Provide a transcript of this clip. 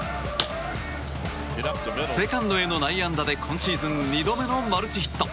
セカンドへの内野安打で今シーズン２度目のマルチヒット！